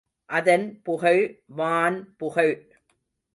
அதன் புகழ் வான்புகழ்.